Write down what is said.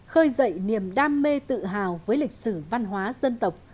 khơi dậy niềm đam mê tự hào với lịch sử văn hóa dân tộc